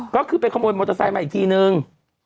ก็คือไปขโมยมอเตอร์ไซค์มาอีกทีนึง